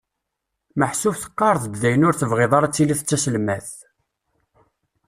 Meḥsub teqqareḍ-d dayen ur tebɣiḍ ara tiliḍ d taselmadt?